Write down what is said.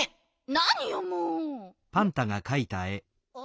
なによもうん？